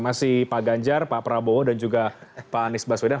masih pak ganjar pak prabowo dan juga pak anies baswedan